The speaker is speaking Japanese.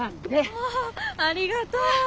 ああありがとう。